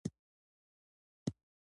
دیموکراسي د خلکو واک دی